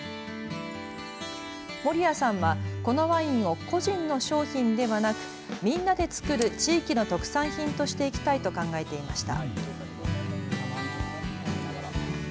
森谷さんはこのワインを個人の商品ではなくみんなで作る地域の特産品としていきたいと考えていました。